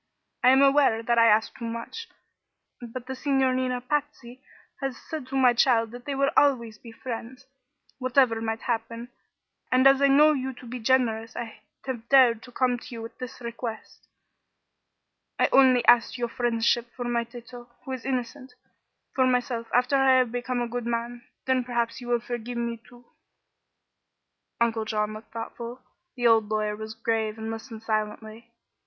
I am aware that I ask too much; but the Signorina Patsy has said to my child that they would always be friends, whatever might happen, and as I know you to be generous I have dared to come to you with this request. I only ask your friendship for my Tato, who is innocent. For myself, after I have become a good man, then perhaps you will forgive me, too." Uncle John looked thoughtful; the old lawyer was grave and listened silently.